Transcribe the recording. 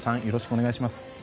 よろしくお願いします。